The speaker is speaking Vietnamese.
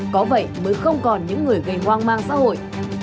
có vậy mới không còn những người gây hoang mang xã hội